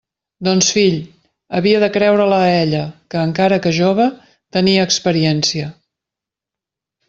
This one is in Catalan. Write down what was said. Doncs fill, havia de creure-la a ella, que, encara que jove, tenia experiència.